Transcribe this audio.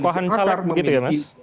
ketokohan caleg begitu ya mas